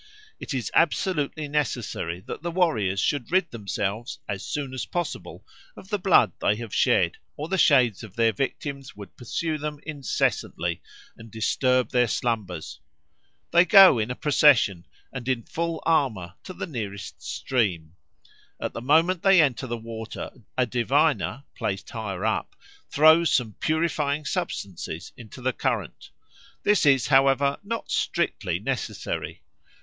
It is absolutely necessary that the warriors should rid themselves, as soon as possible, of the blood they have shed, or the shades of their victims would pursue them incessantly, and disturb their slumbers. They go in a procession, and in full armour, to the nearest stream. At the moment they enter the water a diviner, placed higher up, throws some purifying substances into the current. This is, however, not strictly necessary.